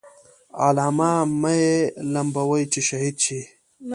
عالمه مه یې لمبوئ چې شهید شي.